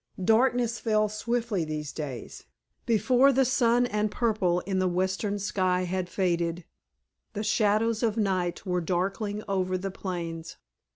Darkness fell swiftly these days. Before the son and purple in the western sky had faded the shadows of night were darkling over the plains.